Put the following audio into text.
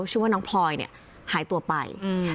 ชื่อว่าน้องพลอยเนี่ยหายตัวไป